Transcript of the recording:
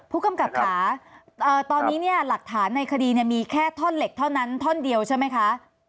ผู้กำกับค่ะตอนนี้เนี่ยหลักฐานในคดีมีแค่ท่อนเหล็กเท่านั้นท่อนเดียวใช่ไหมคะ